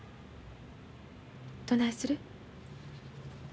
どないする？